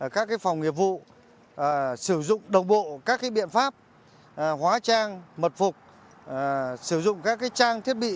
các phòng nghiệp vụ sử dụng đồng bộ các biện pháp hóa trang mật phục sử dụng các trang thiết bị